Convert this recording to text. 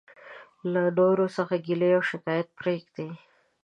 له نورو څخه ګيلي او او شکايت پريږدٸ.